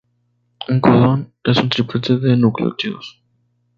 Un codón es un triplete de nucleótidos.